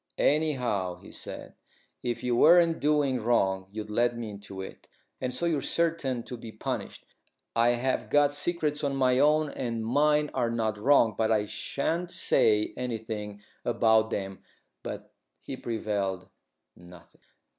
"Anyhow," he said, "if you weren't doing wrong, you'd let me into it, and so you're certain to be punished. I have got secrets of my own and mine are not wrong, but I shan't say anything about them." But he prevailed nothing.